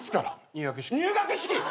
入学式！？